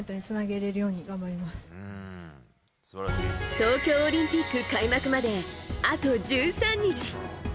東京オリンピック開幕まであと１３日。